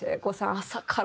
朝から？